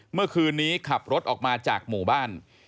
เมื่อคืนนี้ขับรถออกมาจากหมู่บ้าน